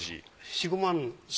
４５万。